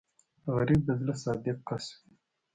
غریب د زړه صادق کس وي